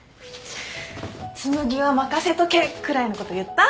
紬は任せとけくらいのこと言った？